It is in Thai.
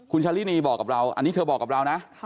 คุณชาลินีบอกกับเราอันนี้เธอบอกกับเรานะ